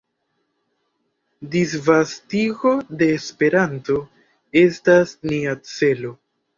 Disvastigo de Esperanto estas nia celo.